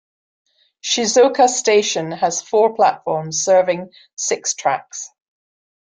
Shizuoka Station has four platforms serving six tracks.